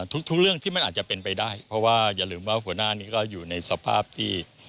ทุกเรื่องที่มันอาจจะเป็นไปได้เพราะว่าอย่าลืมว่าหัวหน้านี้ก็อยู่ในสภาพที่